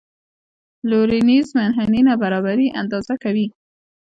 لورینز منحني نابرابري اندازه کوي.